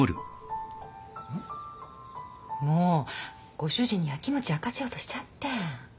ご主人に焼きもち焼かせようとしちゃって。